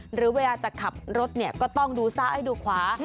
หรือเวลาจะขับรถก็ต้องดูซ้าให้ดูขวา